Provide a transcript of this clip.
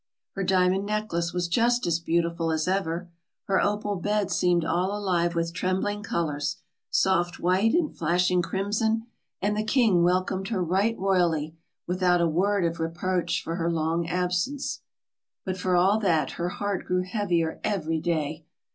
Her diamond necklace was just as beautiful as ever; her opal bed seemed all alive with trembling colors, soft white and flashing crimson; and the king welcomed her right royally, without a word of reproach for her long absence. But for all that, her heart grew heavier every day.